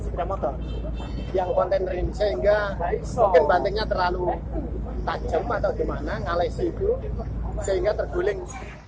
sehingga mungkin batiknya terlalu tajam atau gimana ngalai situ sehingga terguling